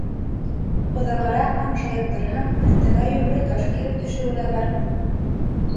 Оҙағыраҡ аңшайып торһаң, өҫтөңә йоморо таш килеп төшөүе лә бар.